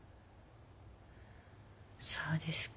そうですか。